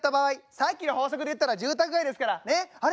さっきの法則で言ったら住宅街ですから「あれ？